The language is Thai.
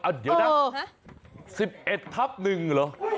อ้าวเดี๋ยวด้านหรือ๑๑ทัพนึงเหรอ